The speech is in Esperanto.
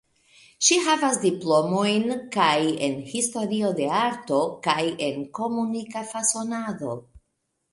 Ŝi havas diplomojn kaj en Historio de Arto kaj en Komunika Fasonado.